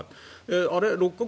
あれ、６か国